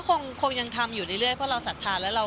คงยังทำอยู่เรื่อยเพราะเราศรัทธาแล้ว